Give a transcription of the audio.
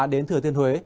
đến thừa thiên huế